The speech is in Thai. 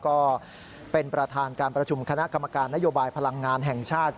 ก็เป็นประธานการประชุมคณะกรรมการนโยบายพลังงานแห่งชาติ